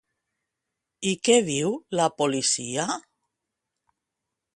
I què diu la policia?